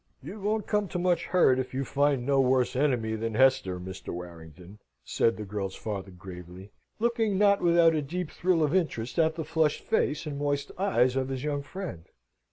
"You won't come to much hurt if you find no worse enemy than Hester, Mr. Warrington," said the girl's father, gravely, looking not without a deep thrill of interest at the flushed face and moist eyes of his young friend.